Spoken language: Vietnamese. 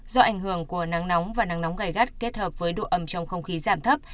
do ảnh hưởng của nắng nóng và nắng nóng gai gắt kết hợp với độ ẩm trong không khí giảm thấp